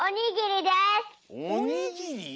おにぎり？